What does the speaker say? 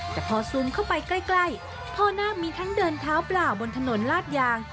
แต่พอซูมเข้าไปใกล้พ่อนาคมีทั้งเดินเท้าเปล่าบนถนนลาดยาง